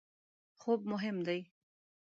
خوب مهم دی